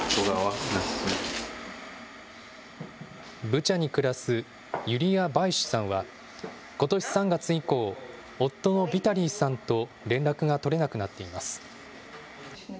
ブチャに暮らすユリア・バイシュさんは、ことし３月以降、夫のビタリーさんと連絡が取れなくなっています。